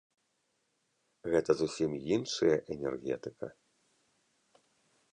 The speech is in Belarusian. Гэта зусім іншая энергетыка.